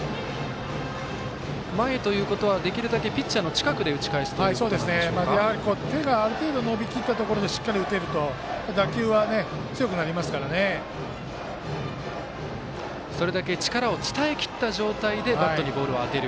前ということは、できるだけピッチャーの近くで打ち返すやはり手がある程度伸びきったところでしっかり打てるとそれだけ力を伝えきった状態でバットにボールを当てる。